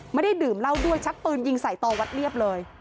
ไม่ได้ดื่มเหล้าด้วยชักปืนยิงใส่ต่อวัดเรียบเลย